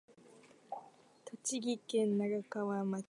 栃木県那珂川町